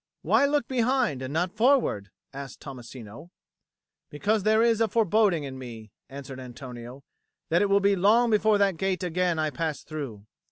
"Why look behind, and not forward?" asked Tommasino. "Because there is a foreboding in me," answered Antonio, "that it will be long before that gate again I pass through.